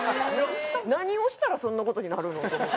何をしたらそんな事になるの？と思って。